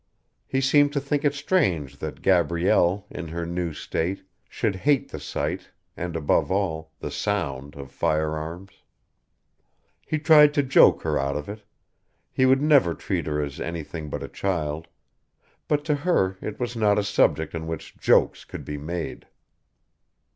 He seemed to think it strange that Gabrielle, in her new state, should hate the sight, and above all, the sound of firearms. He tried to joke her out of it he would never treat her as anything but a child but to her it was not a subject on which jokes could be made.